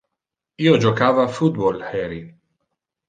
Io jocava a football heri.